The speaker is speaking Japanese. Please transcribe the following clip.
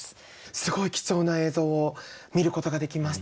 すごい貴重な映像を見ることができました。